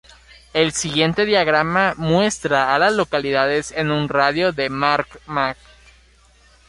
El siguiente diagrama muestra a las localidades en un radio de de Mar-Mac.